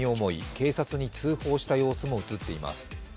警察に通報した様子も映っています。